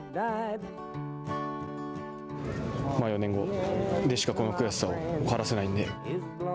４年後でしかこの悔しさを晴らせないんで。